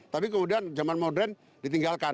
tapi kemudian zaman modern ditinggalkan